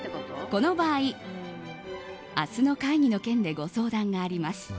この場合、明日の会議の件でご相談があります。